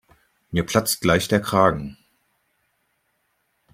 Mir platzt gleich der Kragen.